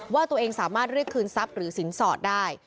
ว่าตัวเองสามารถเรียกคืนทรัพย์หรือสินสอดได้